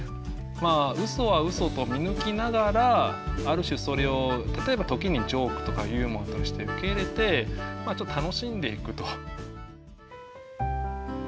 まあうそはうそと見抜きながらある種それを例えば時にジョークとかユーモアとして受け入れてまあちょっと楽しんでいくと。